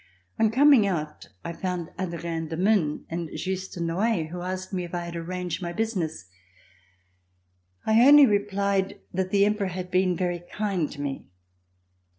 On coming out I found Adrien de Mun and Juste de Noailles, who asked me if I had arranged my business. I only replied that the Emperor had been very kind to me.